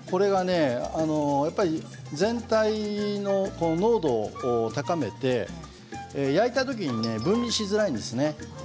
やっぱりこれが全体の濃度を高めて焼いたときに分離しづらいんですね。